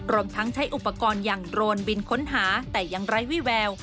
รวมทั้งใช้อุปกรณ์อย่างโรนบินค้นหาแต่ยังไร้วิแวว